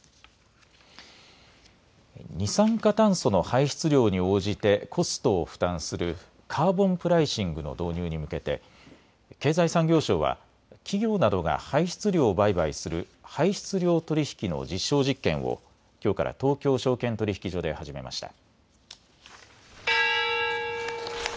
二酸化炭素の排出量に応じてコストを負担するカーボンプライシングの導入に向けて経済産業省は企業などが排出量を売買する排出量取引の実証実験をきょうから東京証券取引所で始めました。